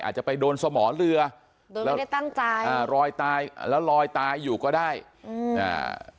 อาจจะไปโดนสมอเรือโดยไม่ได้ตั้งใจอ่ารอยตายแล้วลอยตายอยู่ก็ได้อืมอ่า